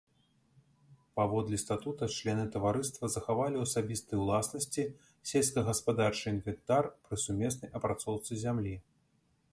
Паводле статута члены таварыства захавалі ў асабістай уласнасці сельскагаспадарчы інвентар пры сумеснай апрацоўцы зямлі.